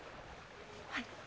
はい。